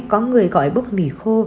có người gọi bốc mì khô